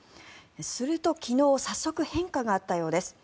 すると、昨日早速変化があったようです。